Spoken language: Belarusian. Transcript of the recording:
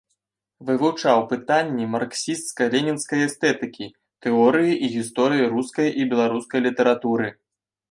Вывучаў пытанні марксісцка-ленінскай эстэтыкі, тэорыі і гісторыі рускай і беларускай літаратуры.